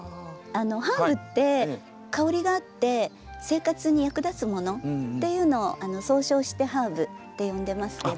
ハーブって香りがあって生活に役立つものっていうのを総称してハーブって呼んでますけど。